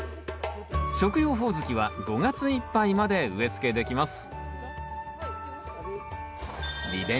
食用ホオズキは５月いっぱいまで植えつけできます